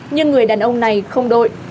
nhưng người đàn ông này không đội